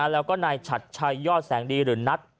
แล้วก็นายฉัดชัยยอดแสงดีหรือนัท